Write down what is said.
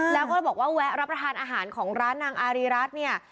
แล้วก็เลยบอกว่าแวะรับประทานอาหารของร้านนางอารีรัฐเนี่ย